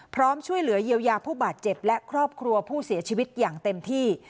พร้อมช่วยเหลือเยียวยาผู้บาดเจ็บและครอบครัวผู้เสียชีวิตอย่างเต็มที่